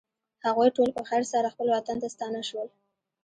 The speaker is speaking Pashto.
هغوی ټول په خیر سره خپل وطن ته ستانه شول.